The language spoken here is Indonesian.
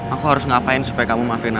aku harus ngapain supaya kamu maafin aku neng